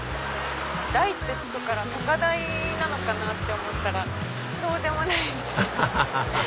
「台」って付くから高台なのかなって思ったらそうでもないみたいです。